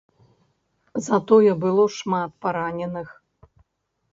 Затое было шмат параненых.